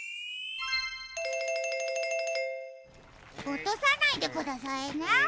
おとさないでくださいね。